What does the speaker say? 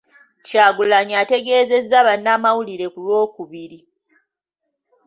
Kyagulanyi ategeezezza bannamawulire ku Lwokubiri.